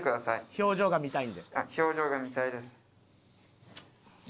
表情が見たいです。